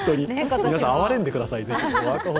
皆さん、哀れんでください。